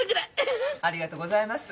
ありがとうございます。